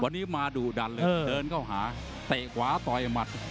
วันนี้มาดุดันเลยเดินเข้าหาเตะขวาต่อยหมัด